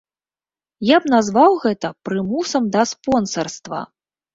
Я б назваў гэта прымусам да спонсарства.